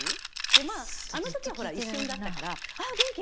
まあ、あのときは一瞬だったから、ああ、元気？